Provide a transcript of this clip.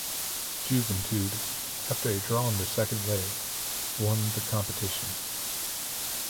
Juventude, after a draw in the second leg, won the competition.